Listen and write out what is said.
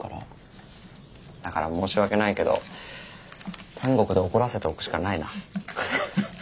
だから申し訳ないけど天国で怒らせておくしかないな。